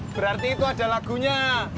berarti itu ada lagunya